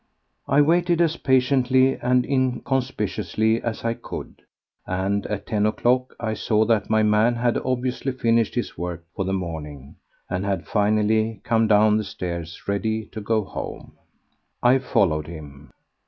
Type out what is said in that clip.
I waited as patiently and inconspicuously as I could, and at ten o'clock I saw that my man had obviously finished his work for the morning and had finally come down the stairs ready to go home. I followed him.